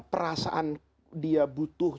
perasaan dia butuh